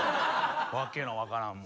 訳の分からんもう。